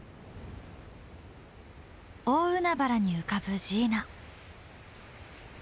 大海原に浮かぶジーナ。